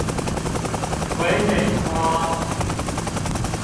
傀儡花